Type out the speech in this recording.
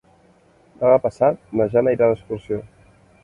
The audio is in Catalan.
Demà passat na Jana irà d'excursió.